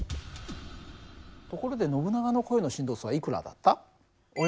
ところでノブナガの声の振動数はいくらだった？